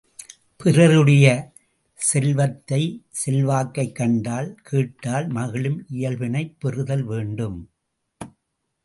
பிறருடைய செல்வத்தை, செல்வாக்கைக் கண்டால், கேட்டால் மகிழும் இயல்பினைப் பெறுதல் வேண்டும்.